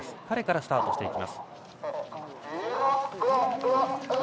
彼からスタートしていきます。